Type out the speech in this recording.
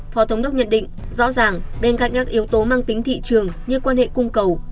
phó thống đốc nhận định rõ ràng bên cạnh các yếu tố mang tính thị trường như quan hệ cung cầu